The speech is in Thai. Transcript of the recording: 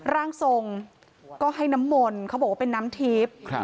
ร่างสงก็ให้น้ำมลเขาบอกว่าเป็นน้ำทีพ